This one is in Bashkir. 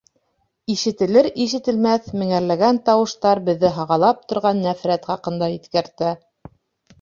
Ишетелер-ишетелмәҫ меңәрләгән тауыштар беҙҙе һағалап торған нәфрәт хаҡында иҫкәртә.